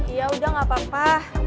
iya udah nggak apa apa